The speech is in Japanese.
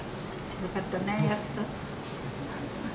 よかったね、やっと。